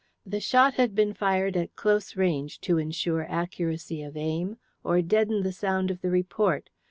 The shot had been fired at close range to ensure accuracy of aim or deaden the sound of the report.